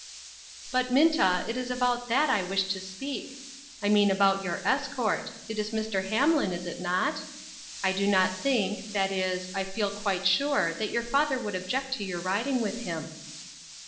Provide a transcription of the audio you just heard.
" But, Minta, it is about that I wish to speak ; I mean about your escort ; it is Mr. Hamlin, is it not ? I do not think, that is, I feel quite sure that your father would object to your riding with him."